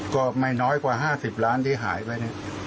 ก็ไม่น้อยกว่า๕๐ล้านบาทที่หายไป